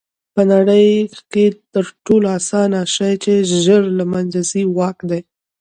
په نړۍ کښي تر ټولو آسانه شى چي ژر له منځه ځي؛ واک دئ.